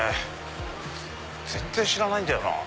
全然知らないんだよなぁ。